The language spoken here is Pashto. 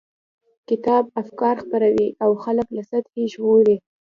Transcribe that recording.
کتاب افکار خپروي او خلک له سلطې ژغوري.